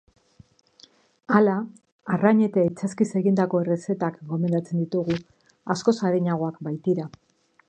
Hala, arrain eta itsaskiz egindako errezetak gomendatzen ditugu, askoz arinagoak baitira.